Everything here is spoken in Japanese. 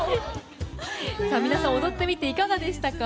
皆さん、踊ってみていかがでしたか？